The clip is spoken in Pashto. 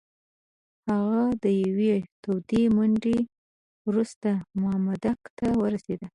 هغه د یوې تودې منډې وروسته مامدک ته ورسېد.